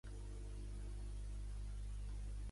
Quan se celebraran les eleccions regionals de Catalunya?